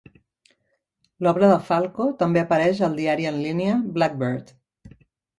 L'obra de Falco també apareix al diari en línia "Blackbird".